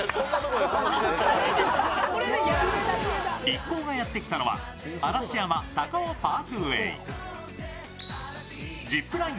一行がやってきたのは嵐山−高雄パークウエイ。